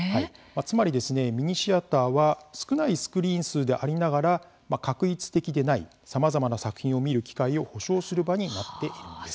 つまりミニシアターは少ないスクリーン数でありながら画一的でないさまざまな作品を見る機会を保証する場になっているんです。